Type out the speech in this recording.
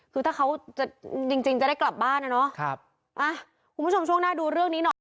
คือถ้าเขาจะจริงจริงจะได้กลับบ้านอ่ะเนอะครับอ่ะคุณผู้ชมช่วงหน้าดูเรื่องนี้หน่อย